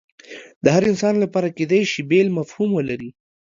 د هر انسان لپاره کیدای شي بیل مفهوم ولري